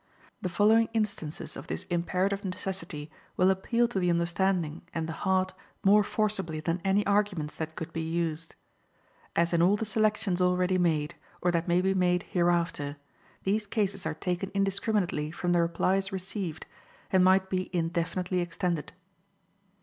The following instances of this imperative necessity will appeal to the understanding and the heart more forcibly than any arguments that could be used. As in all the selections already made, or that may be made hereafter, these cases are taken indiscriminately from the replies received, and might be indefinitely extended.